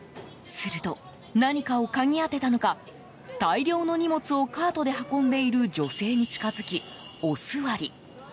すると、何かをかぎ当てたのか大量の荷物をカートで運んでいる女性に近づきおすわり。